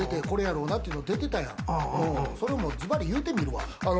それもズバリ言うてみるわ。